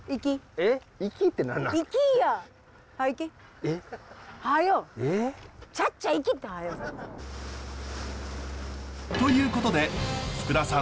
ええっ？ということで福田さん